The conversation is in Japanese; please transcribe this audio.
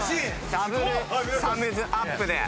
ダブルサムズアップで。